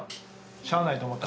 しゃあないと思った？